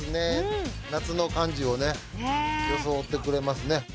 夏の感じをね装ってくれますね。